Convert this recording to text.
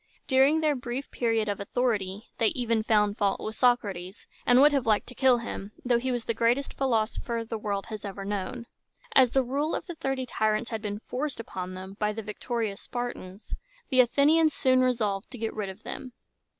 During their brief period of authority they even found fault with Socrates, and would have liked to kill him, though he was the greatest philosopher the world has ever known. As the rule of the Thirty Tyrants had been forced upon them by the victorious Spartans, the Athenians soon resolved to get rid of them.